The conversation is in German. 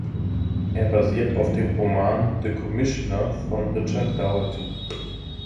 Er basiert auf dem Roman "The Commissioner" von Richard Dougherty.